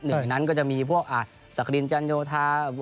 นึงอย่างนั้นก็มีพวกสครินทรัลโยธา